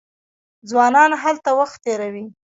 ځوانان هلته وخت تیروي.